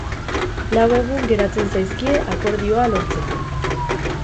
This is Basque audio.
Lau egun geratzen zaizkie akordioa lortzeko.